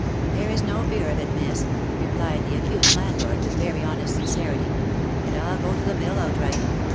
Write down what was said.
" There is no fear of it, miss," replied the acute landlord with very honest sincerity, " and I'll go to the mill outright.